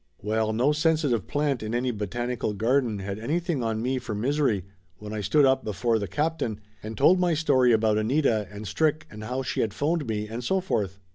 Well, no sensitive plant in any botanical garden had anything on me for misery when I stood up before the captain and told my story about Anita and Strick and how she had phoned me and so forth.